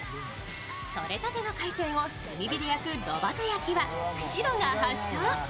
とれたての海鮮を炭火で焼く炉端焼きは釧路が発祥。